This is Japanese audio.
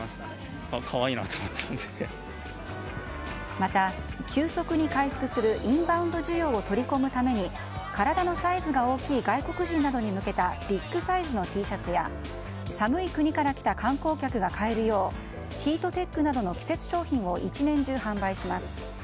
また、急速に回復するインバウンド需要を取り込むために体のサイズが大きい外国人などに向けたビッグサイズのＴシャツや寒い国から来た観光客が買えるようヒートテックなどの季節商品を１年中販売します。